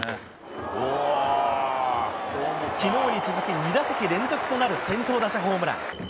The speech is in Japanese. きのうに続き、２打席連続となる先頭打者ホームラン。